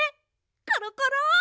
コロコロ！